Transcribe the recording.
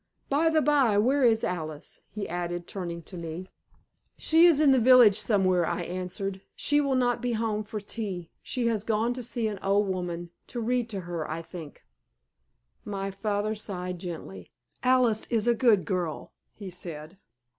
By the by, where is Alice?" he added, turning to me. "She is in the village somewhere," I answered. "She will not be home for tea. She has gone to see an old woman to read to her, I think." My father sighed gently. "Alice is a good girl," he said.